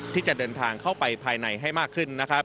ที่จะเดินทางเข้าไปภายในให้มากขึ้นนะครับ